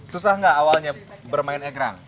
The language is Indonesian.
susah nggak awalnya bermain egrang